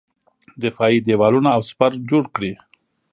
دفاعي دېوالونه او سپر جوړ کړي.